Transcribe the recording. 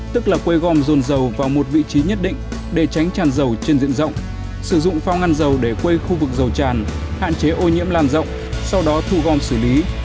tức là quây gom dồn dầu vào một vị trí nhất định để tránh tràn dầu trên diện rộng sử dụng phao ngăn dầu để quây khu vực dầu tràn hạn chế ô nhiễm lan rộng sau đó thu gom xử lý